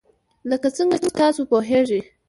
لکه څنګه چې تاسو پوهیږئ.